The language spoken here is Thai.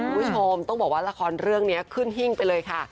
คุณผู้ชมต้องบอกว่าละครเรื่องนี้ขึ้นหิ้งไปเลยค่ะ